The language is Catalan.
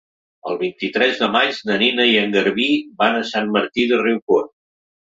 El vint-i-tres de maig na Nina i en Garbí van a Sant Martí de Riucorb.